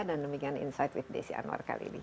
dan demikian inside with desi anwar kali ini